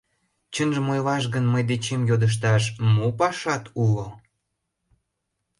— Чынжым ойлаш гын, мый дечем йодышташ мо пашат уло?